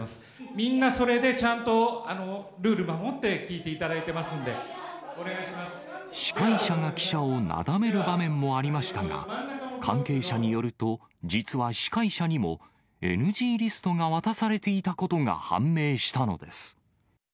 みんなそれでルール守って聞いていただいてますんで、お願いしま司会者が記者をなだめる場面もありましたが、関係者によると、実は司会者にもＮＧリストが渡されていたことが判明したのです。